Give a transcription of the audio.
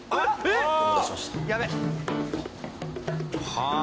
はあ。